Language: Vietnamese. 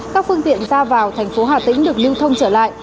các phương tiện ra vào thành phố hà tĩnh được lưu thông trở lại